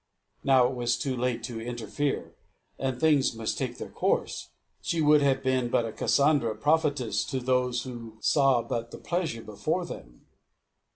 Now it was too late to interfere, and things must take their course. She would have been but a Cassandra prophetess to those who saw but the pleasure before them.